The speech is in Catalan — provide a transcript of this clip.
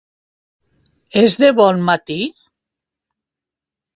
És de bon matí?